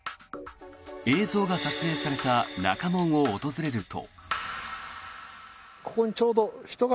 映像が撮影された中門を訪れると。